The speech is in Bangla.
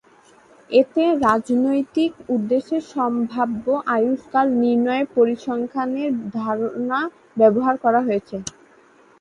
এতে রাজনৈতিক উদ্দেশ্যে সম্ভাব্য আয়ুষ্কাল নির্ণয়ে পরিসংখ্যানের ধারণা ব্যবহার করা হয়েছে।